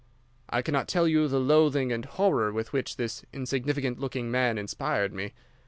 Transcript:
"I cannot tell you the loathing and horror with which this insignificant looking man inspired me.